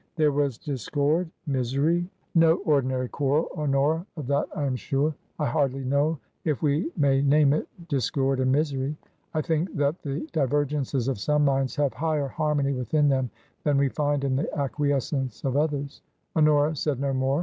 There was discord — misery !" 28 326 TRANSITION. "No ordinary quarrel, Honora, of that I am sure. I hardly know if we may name it discord and misery. I think that the divergences of some minds have higher harmony within them than we find in the acquiescence of others." Honora said no more.